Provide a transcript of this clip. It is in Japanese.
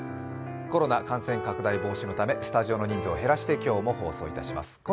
コロナ感染拡大防止のため、スタジオの人数を減らして今日も放送いたします。